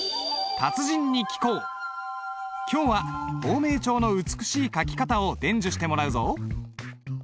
今日は芳名帳の美しい書き方を伝授してもらうぞ。